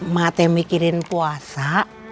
mak teh mikirin puasa